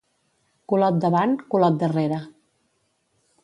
Culot davant, culot darrere.